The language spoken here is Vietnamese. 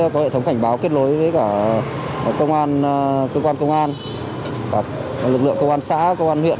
có hệ thống cảnh báo kết nối với cả công an cơ quan công an lực lượng công an xã công an huyện